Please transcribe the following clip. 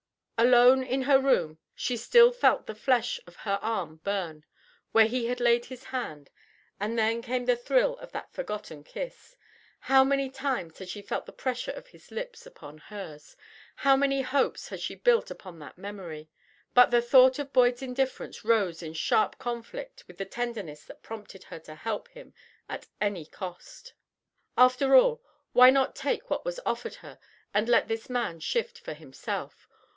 Alone in her room, she still felt the flesh of her arm burn, where he had laid his hand, and then came the thrill of that forgotten kiss. How many times had she felt the pressure of his lips upon hers! How many hopes had she built upon that memory! But the thought of Boyd's indifference rose in sharp conflict with the tenderness that prompted her to help him at any cost. After all, why not take what was offered her and let this man shift for himself?